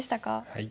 はい。